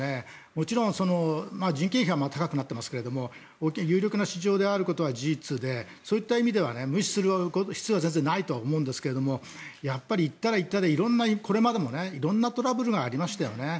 もちろん人件費は高くなっていますが大きな有力な市場であることは事実でそういった意味では無視する必要は全然ないと思うんですがやっぱり行ったら行ったでこれまでも色んなトラブルがありましたよね。